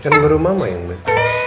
kan baru mama yang mbak